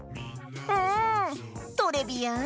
うんトレビアン！